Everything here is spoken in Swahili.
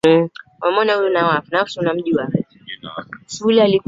baada ya kuwanda ambacho wanafanyia kazi kilichopo